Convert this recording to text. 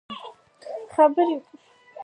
مړه ته د دوعا د بند نه خلاص کړه